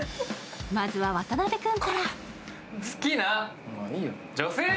まずは渡辺君から。